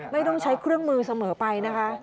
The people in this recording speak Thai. ไม่ต้องใช้เครื่องมือเสมอไปนะคะ